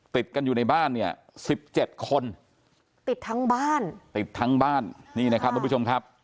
ติดกันอยู่ในบ้านเนี่ยสิบเจ็ดคนติดทั้งบ้านติดทั้งบ้านนี่นะครับทุกผู้ชมครับ